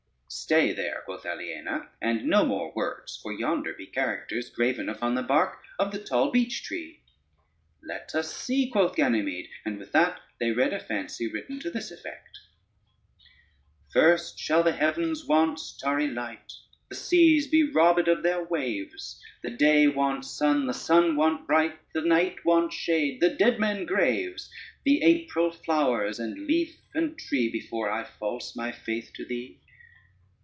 "Stay there," quoth Aliena, "and no more words, for yonder be characters graven upon the bark of the tall beech tree." "Let us see," quoth Ganymede; and with that they read a fancy written to this effect: First shall the heavens want starry light, The seas be robbèd of their waves, The day want sun, and sun want bright, The night want shade, the dead men graves, The April flowers and leaf and tree, Before I false my faith to thee.